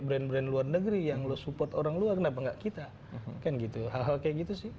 brand brand luar negeri yang lo support orang luar kenapa enggak kita kan gitu hal hal kayak gitu sih